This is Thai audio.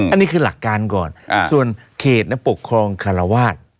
อันนี้คือหลักการก่อนส่วนเขตปกครองคารวาส